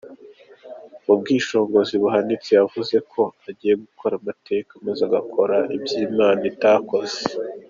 Mubwishongozi buhanitse yavuze ko agiye gukora amateka maze agakora ibyo Imana itakoze.